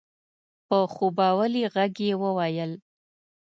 په خوبولي غږ يې وويل؛